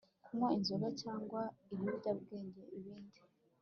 kunywa inzoga cyangwa ibiyobyabwenge ibindi